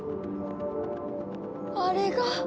あれが。